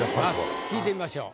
聞いてみましょう。